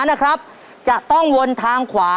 ตัวเลือกที่สองวนทางซ้าย